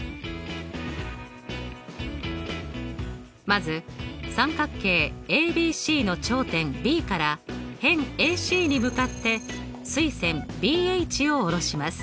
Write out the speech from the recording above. まず三角形ＡＢＣの頂点Ｂから辺ＡＣに向かって垂線ＢＨを下ろします。